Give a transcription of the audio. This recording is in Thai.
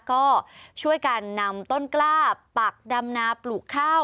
ก็ช่วยกันนำต้นกล้าปักดำนาปลูกข้าว